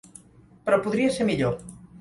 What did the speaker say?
Però podria ser millor.